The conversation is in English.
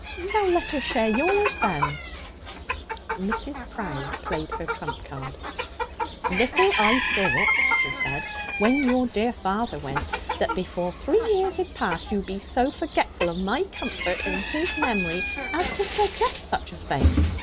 'Well, let her share yours, then.' Mrs. Prowde played her trump card. 'Little I thought,' she said, 'when your dear father went, that before three years had passed you'd be so forgetful of my comfort (and his memory) as to suggest such a thing.